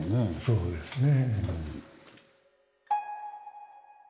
そうですね。